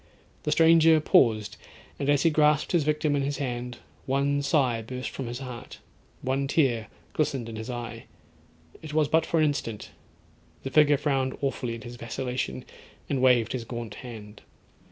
The stranger paused, and as he grasped his victim in his hand, one sigh burst from his heart—one tear glistened in his eye. It was but for an instant; the figure frowned awfully at his vacillation, and waved his gaunt hand.